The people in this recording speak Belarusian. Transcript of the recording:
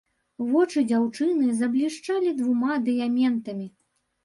Вочы дзяўчыны заблішчалі двума дыяментамі.